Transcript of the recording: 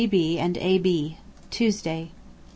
D. B. and A. B._ Tuesday.